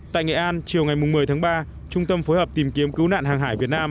tại nghệ an chiều ngày một mươi tháng ba trung tâm phối hợp tìm kiếm cứu nạn hàng hải việt nam